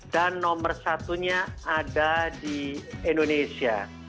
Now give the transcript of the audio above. dan nomor satunya ada di indonesia